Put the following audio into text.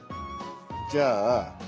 じゃあ。